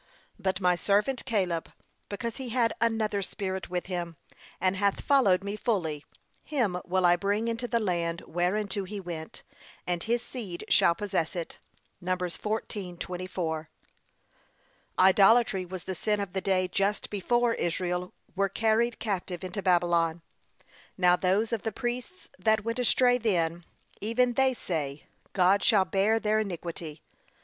'But my servant Caleb, because he had another spirit with him, and hath followed me fully, him will I bring into the land whereinto he went; and his seed shall possess it.' (Num. 14:24) Idolatry was the sin of the day just before Israel were carried captive into Babylon. Now those of the priests that went astray then, even they say, God shall bear their iniquity.